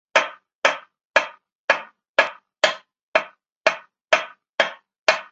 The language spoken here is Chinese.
而在战术导轨之间设有一排散热孔以加快降温。